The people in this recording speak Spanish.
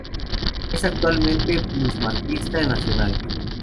Es actualmente plusmarquista nacional.